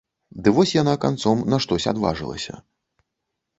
Ды вось яна канцом на штось адважылася.